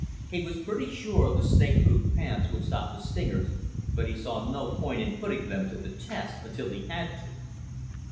He was pretty sure the snakeproof pants would stop the stingers, but he saw no point in putting them to the test until he had to.